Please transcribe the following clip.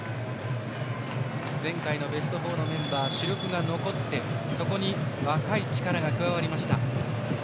前回のベスト４のメンバー主力が残ってそこに若い力が加わりました。